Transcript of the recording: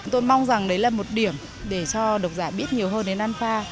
tôi mong rằng đấy là một điểm để cho độc giả biết nhiều hơn đến an pha